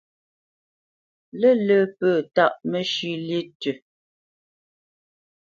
Lə̂lə̄ pə̂ tâʼ məshʉ̂ lí tʉ̂.